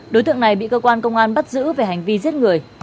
đối tượng này bị cơ quan công an bắt giữ về hành vi giết người